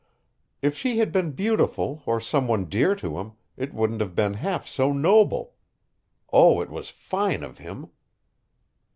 "If she had been beautiful or some one dear to him, it wouldn't have been half so noble. Oh, it was fine of him!"